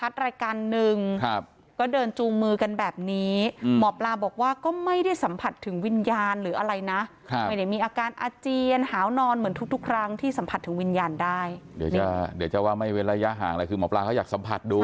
เดี๋ยวจะว่าไม่ไว้ระยะห่างแต่คือหม่อปลามีจะอยากสัมผัสดู